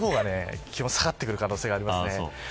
昼間の方が気温が下がってくる可能性があります。